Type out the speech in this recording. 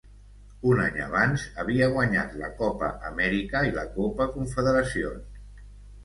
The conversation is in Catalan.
Un any abans, havia guanyat la Copa Amèrica i la Copa Confederacions.